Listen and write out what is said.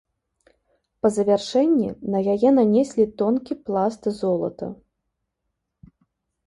Па завяршэнні на яе нанеслі тонкі пласт золата.